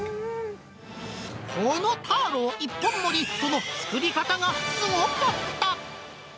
このターロー一本盛り、その作り方がすごかった。